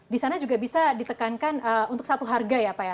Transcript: di sana juga bisa ditekankan untuk satu harga ya pak ya